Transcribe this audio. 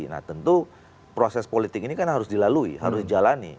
nah tentu proses politik ini kan harus dilalui harus dijalani